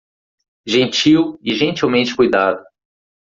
Gentil e gentilmente cuidado